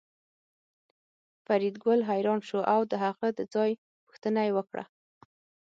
فریدګل حیران شو او د هغه د ځای پوښتنه یې وکړه